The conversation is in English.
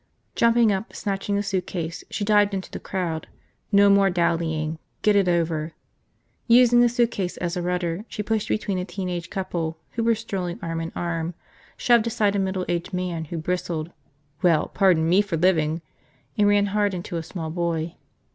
Jumping up, snatching the suitcase, she dived into the crowd. No more dallying. Get it over. Using the suitcase as a rudder, she pushed between a teen age couple who were strolling arm in arm, shoved aside a middle aged man who bristled, "Well, pardon me for living!" and ran hard into a small boy.